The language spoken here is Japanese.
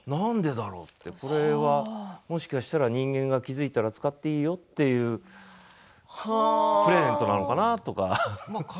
もしかしたら人間が気が付いたら使ってもいいよというプレゼントなのかなと思ったりね。